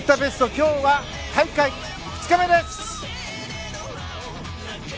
今日は大会２日目です。